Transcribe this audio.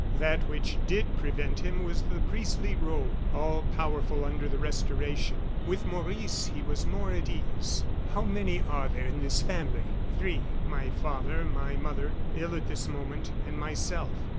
That which did prevent him was the priestly robe, all powerful under the Restoration. With Maurice he was more at ease. "How many are there in this family?" "Three; my father, my mother ill at this moment and myself."